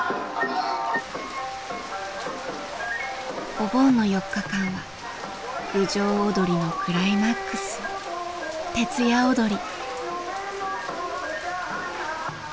お盆の４日間は郡上おどりのクライマックス徹夜おどり。